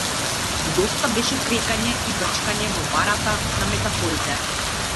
Доста беше крекање и брчкање во барата на метафорите.